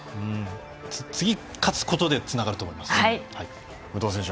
次勝つことでつながると思います。